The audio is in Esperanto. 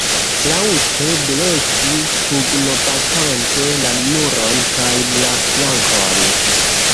Laŭte bleki pugnobatante la muron kaj la plankon.